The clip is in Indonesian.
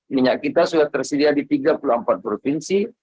minyak kita sudah tersedia di tiga puluh empat provinsi